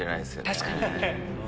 確かに。